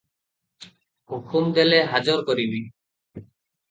ହୁକୁମ ଦେଲେ ହାଜର କରିବି ।"